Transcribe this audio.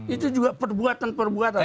itu juga perbuatan perbuatan